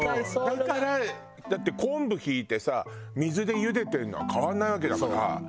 だからだって昆布ひいてさ水でゆでてるのは変わらないわけだから。